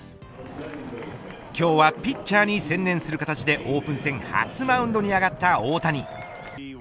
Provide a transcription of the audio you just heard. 今日はピッチャーに専念する形でオープン戦初マウンドに上がった大谷。